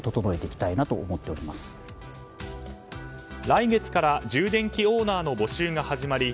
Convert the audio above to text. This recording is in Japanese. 来月から充電器オーナーの募集が始まり